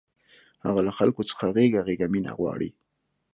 هغه له خلکو څخه غېږه غېږه مینه غواړي